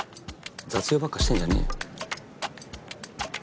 雑用ばっかしてんじゃねえよ。